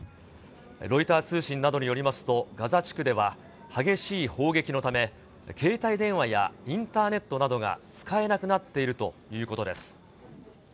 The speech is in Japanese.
ロイター通信などによりますと、ガザ地区では激しい砲撃のため、携帯電話やインターネットなどが使えなくなっているということです。